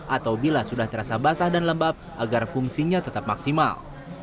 atau bila sudah terasa basah dan lembab agar fungsinya tetap maksimal